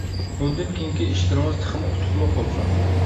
بۇندىن كېيىنكى ئىشلىرىڭىز تېخىمۇ ئۇتۇقلۇق بولسۇن.